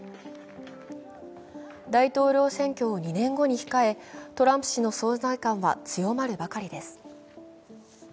大統領選挙を２年後に控え、トランプ氏の存在感は強まるばかりです。